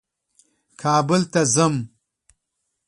کابل ته ځم.